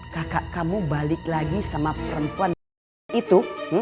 kakak kamu balik lagi sama perempuan itu